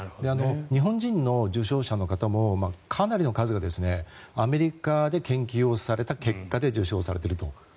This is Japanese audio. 日本人の受賞者の方もかなりの数がアメリカで研究をされた結果で受賞されていると。